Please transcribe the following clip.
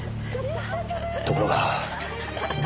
ところが。